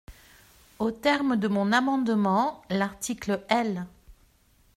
Aux termes de mon amendement, l’article L.